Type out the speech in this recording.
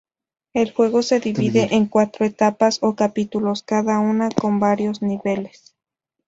El juego se divide en cuatro etapas o capítulos, cada una con varios niveles.